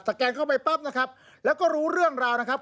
แกนเข้าไปปั๊บนะครับแล้วก็รู้เรื่องราวนะครับ